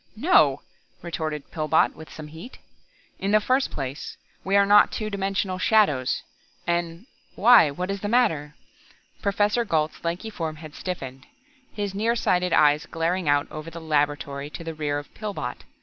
"No!" retorted Pillbot with some heat. "In the first place, we are not two dimensional shadows, and why, what is the matter?" Professor Gault's lanky form had stiffened, his near sighted eyes glaring out over the laboratory to the rear of Pillbot.